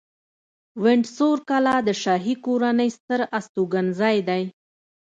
وینډسور کلا د شاهي کورنۍ ستر استوګنځی دی.